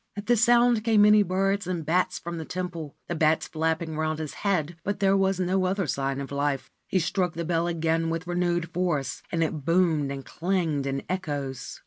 At the sound came many birds and bats from the temple, the bats flapping round his head ; but there was no other sign of life. He struck the bell again with renewed force, and it boomed and clanged in echoes.